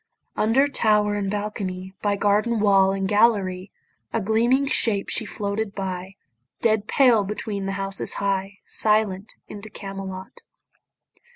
Under tower and balcony, By garden wall and gallery, A gleaming shape she floated by, Dead pale between the houses high, Silent into Camelot.